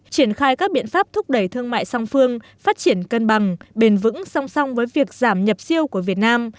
triển khai các biện pháp thúc đẩy thương mại song phương phát triển cân bằng bền vững song song với việc giảm nhập siêu của việt nam